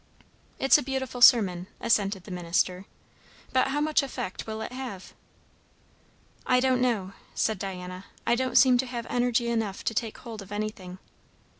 "It's a beautiful sermon," assented the minister; "but how much effect will it have?" "I don't know," said Diana. "I don't seem to have energy enough to take hold of anything."